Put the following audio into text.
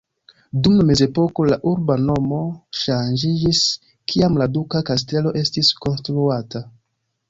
Dum la mezepoko la urba nomo ŝanĝiĝis, kiam la duka kastelo estis konstruata.